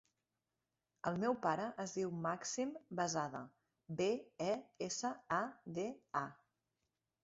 El meu pare es diu Màxim Besada: be, e, essa, a, de, a.